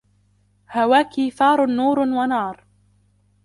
هواك ثار نور ونار